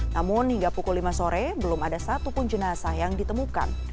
namun hingga pukul lima sore belum ada satupun jenazah yang ditemukan